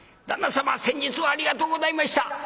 「旦那様先日はありがとうございました！